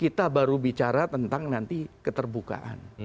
kita baru bicara tentang nanti keterbukaan